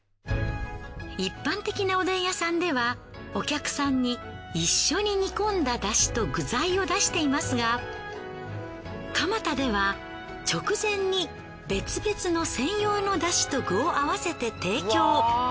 一般的なおでん屋さんではお客さんに一緒に煮込んだ出汁と具材を出していますがかま田では直前に別々の専用の出汁と具を合わせて提供。